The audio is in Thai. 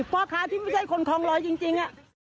พ่อค้าที่ไม่ใช่คนคลองลอยจริง